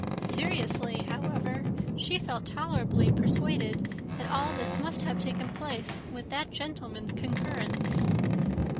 Seriously, however, she felt tolerably persuaded that all this must have taken place with that gentleman's concurrence.